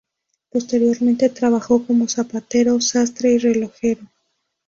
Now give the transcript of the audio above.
Posteriormente trabajó como zapatero, sastre y relojero.